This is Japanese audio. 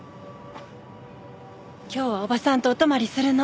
今日はおばさんとお泊まりするの。